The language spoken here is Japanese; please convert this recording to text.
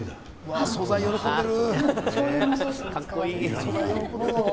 あ、素材喜んでる。